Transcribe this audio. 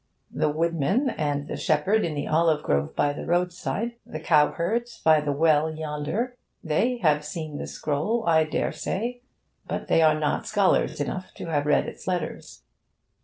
The woodmen and the shepherd in the olive grove by the roadside, the cowherds by the well, yonder they have seen the scroll, I dare say, but they are not scholars enough to have read its letters.